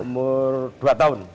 umur dua tahun